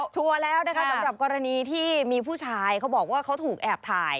ชัวร์แล้วนะคะสำหรับกรณีที่มีผู้ชายเขาบอกว่าเขาถูกแอบถ่าย